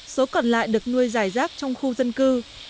số còn lại được nuôi dài rác trong khu dân cư